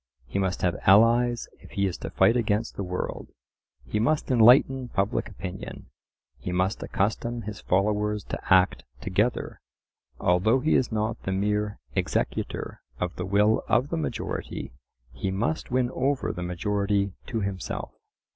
He must have allies if he is to fight against the world; he must enlighten public opinion; he must accustom his followers to act together. Although he is not the mere executor of the will of the majority, he must win over the majority to himself.